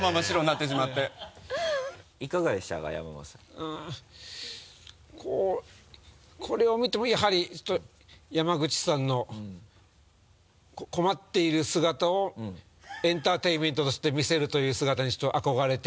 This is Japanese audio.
うんこれを見てもやはりちょっと山口さんの困っている姿をエンターテインメントとして見せるという姿にちょっと憧れて。